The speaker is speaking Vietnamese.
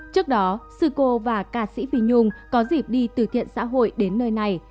trước đó sư cô và ca sĩ phi nhung có dịp đi từ thiện xã hội đến nơi này